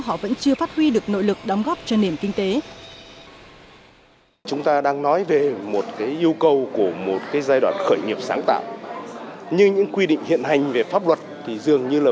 họ vẫn chưa phát huy được nội lực đóng góp cho nền kinh tế